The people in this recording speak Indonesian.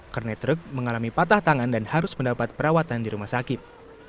kernet truk mengalami patah tangan dan harus mendapat perawatan di rumah sakit